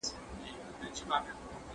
ژمنه بايد پوره شي.